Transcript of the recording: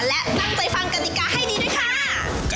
และตั้งใจฟังกฎิกาให้ดีด้วยค่ะ